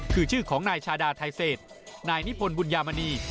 คือชื่อของนายชาดาไทเศษนายนิพนธบุญยามณี